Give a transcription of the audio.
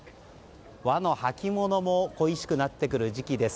和の履物も恋しくなってくる時期です。